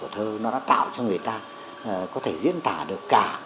thơ nó đã tạo cho người ta có thể diễn tả được cả